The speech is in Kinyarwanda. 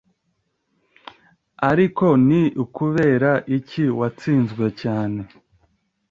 Ariko ni ukubera iki watsinzwe cyane